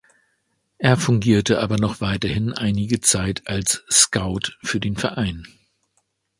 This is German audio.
Er fungierte aber noch weiterhin einige Zeit als Scout für den Verein.